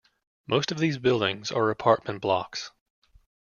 Most of these buildings are apartment blocks.